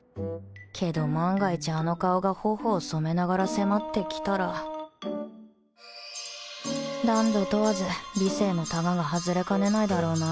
けど万が一あの顔が頬を染めながら迫ってきたら男女問わず理性のたがが外れかねないだろうな